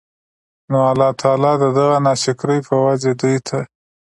نو الله تعالی د دغه ناشکرۍ په وجه دوی ته